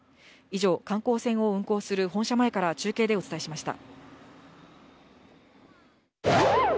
以上、観光船を運航する本社前から中継でお伝えしました。